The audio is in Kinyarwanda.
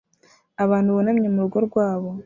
abantu bunamye murugo rwabo